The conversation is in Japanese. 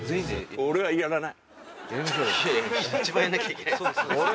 俺はやらない。